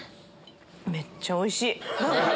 めっちゃおいしい！